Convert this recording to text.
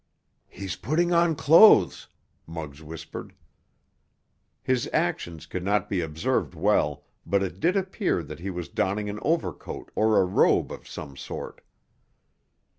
"He's putting on clothes," Muggs whispered. His actions could not be observed well, but it did appear that he was donning an overcoat or a robe of some sort.